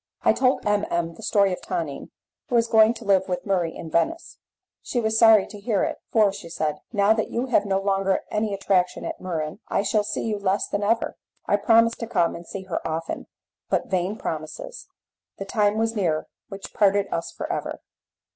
I told M. M. the story of Tonine, who was going to live with Murray in Venice; she was sorry to hear it, "for," said she, "now that you have no longer any attraction at Muran, I shall see you less than ever." I promised to come and see her often, but vain promises! The time was near which parted us for ever.